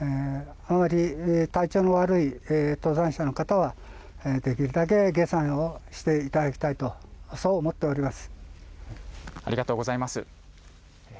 あまり体調の悪い登山者の方はできるだけで下山をしていただきたいとそう思っております。